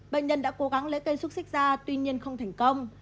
bệnh nhân đã cố gắng lấy cây xúc xích ra tuy nhiên không thành công